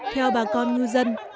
theo bà con ngư dân